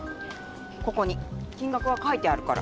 ここに金額が書いてあるから。